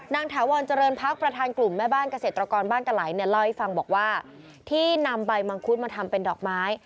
ถาวรเจริญพักประธานกลุ่มแม่บ้านเกษตรกรบ้านกะไหลเนี่ยเล่าให้ฟังบอกว่าที่นำใบมังคุดมาทำเป็นดอกไม้